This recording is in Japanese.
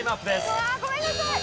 うわあごめんなさい！